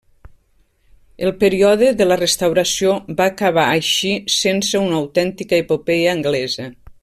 El període de la Restauració va acabar, així, sense una autèntica epopeia anglesa.